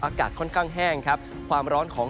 อากาศค่อนแห้งความร้อนของ